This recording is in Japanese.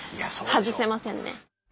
外せませんね。